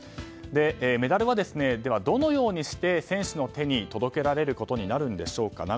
では、メダルはどのようにして選手の手に届けられることになるんでしょうか。